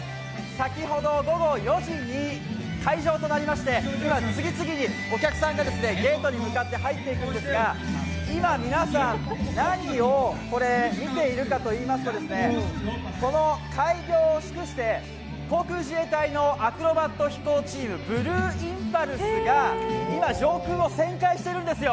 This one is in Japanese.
先ほど午後４時に開場となりまして、今、次々とお客さんがゲートに向かって入っていくんですが今、皆さん何を見ているかといいますと開業を祝して航空自衛隊のアクロバット飛行チームブルーインパルスが上空を旋回しているんですよ。